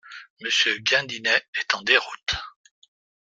Monsieur Gindinet est en déroute.